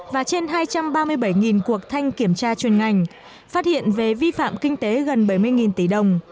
và trên hai trăm ba mươi bảy cuộc thanh kiểm tra chuyên ngành phát hiện về vi phạm kinh tế gần bảy mươi tỷ đồng